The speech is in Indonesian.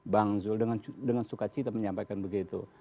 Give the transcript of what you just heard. bang zul dengan suka cita menyampaikan begitu